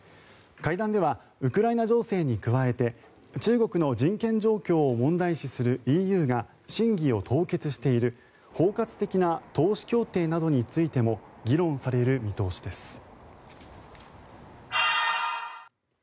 会談ではウクライナ情勢に加えて中国の人権状況を問題視するＥＵが審議を凍結している包括的な投資協定などについても議論される見通しです。